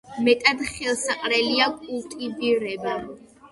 მეტად ხელსაყრელია კულტივირება.